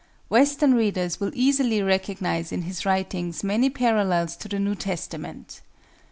Western readers will easily recognize in his writings many parallels to the New Testament.